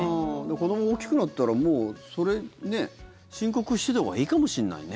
子どもが大きくなったらもうそれ、申告しておいたほうがいいかもしれないね。